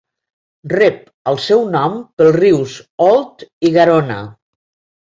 Rep el seu nom pels rius Òlt i Garona.